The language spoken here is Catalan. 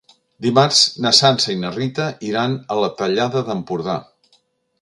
Dimarts na Sança i na Rita iran a la Tallada d'Empordà.